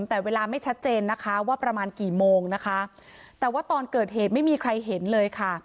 แต่เวลาไม่ชัดเจนนะคะว่าประมาณกี่โมงนะคะแต่ว่าตอนเกิดเหตุไม่มีใครเห็นเลยค่ะ